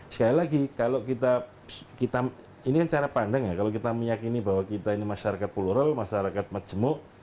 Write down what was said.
sekali lagi kalau kita ini cara pandangnya kalau kita meyakini bahwa kita ini masyarakat plural masyarakat matzemuk